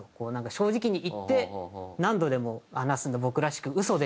正直に言って「何度でも話すんだ僕らしく嘘でもいい」と。